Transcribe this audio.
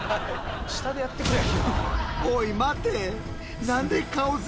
下でやってくれ。